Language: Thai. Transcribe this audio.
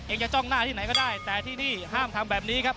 จะจ้องหน้าที่ไหนก็ได้แต่ที่นี่ห้ามทำแบบนี้ครับ